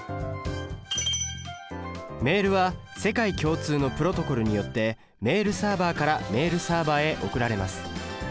メールは世界共通のプロトコルによってメールサーバからメールサーバへ送られます。